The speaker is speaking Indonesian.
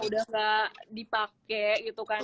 udah gak dipakai gitu kan